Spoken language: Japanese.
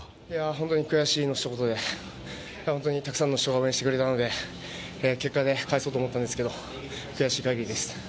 ホントに悔しいのひと言で、ホントにたくさんの人が応援してくれたので結果で返そうと思ったんですけど悔しいかぎりです。